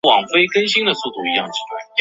八月奉令开赴察哈尔省怀来县。